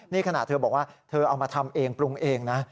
นี่ขณะเธอบอกว่าเธอเอามาทำเองปรุงเองนะ